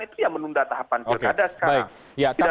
itu yang menunda tahapan pilkada sekarang